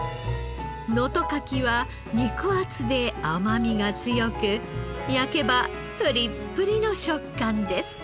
能登かきは肉厚で甘みが強く焼けばぷりっぷりの食感です。